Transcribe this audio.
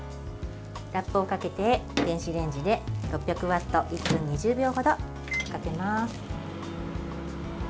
ラップをかけて電子レンジで６００ワット１分２０秒ほどかけます。